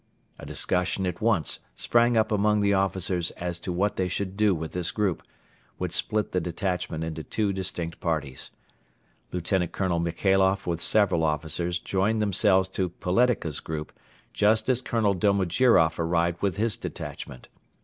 A discussion at once sprang up among the officers as to what they should do with this group, which split the detachment into two distinct parties. Lt. Colonel Michailoff with several officers joined themselves to Poletika's group just as Colonel Domojiroff arrived with his detachment.